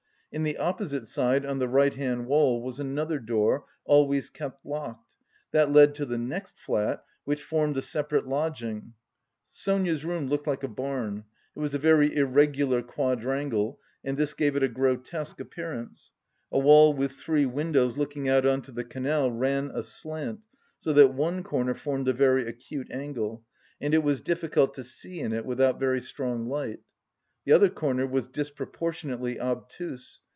In the opposite side on the right hand wall was another door, always kept locked. That led to the next flat, which formed a separate lodging. Sonia's room looked like a barn; it was a very irregular quadrangle and this gave it a grotesque appearance. A wall with three windows looking out on to the canal ran aslant so that one corner formed a very acute angle, and it was difficult to see in it without very strong light. The other corner was disproportionately obtuse.